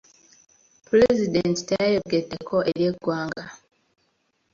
Pulezidenti teyayogeddeko eri ggwanga.